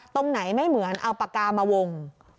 ตรงไหนไม่เหมือนเอาปากกามาวง